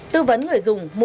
tư vấn người dùng mua lá bụi